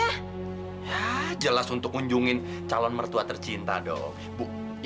ya jelas untuk kunjungin calon mertua tercinta dong